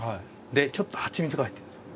でちょっとハチミツが入ってるんですよ。